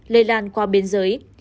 lây lan qua biên giới